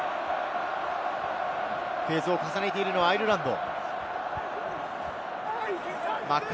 フェーズを重ねているのはアイルランド。